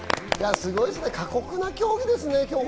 すごいっすね、過酷な競技ですね、競歩。